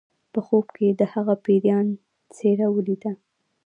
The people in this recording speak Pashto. په خوب کې یې د هغه پیریان څیره ولیده